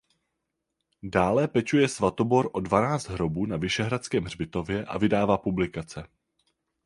Dále pečuje Svatobor o dvanáct hrobů na Vyšehradském hřbitově a vydává publikace.